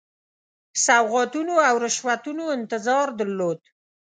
سوغاتونو او رشوتونو انتظار درلود.